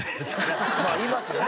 まあ言いますよね。